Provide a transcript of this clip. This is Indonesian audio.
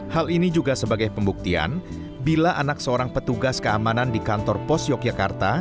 hal ini juga sebagai pembuktian bila anak seorang petugas keamanan di kantor pos yogyakarta